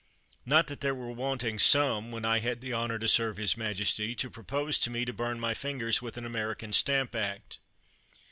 Not that there were wanting 205 THE WORLD'S FAMOUS ORATIONS some, when I had the honor to serve his majesty, to propose to me to burn my fingers with an American stamp act.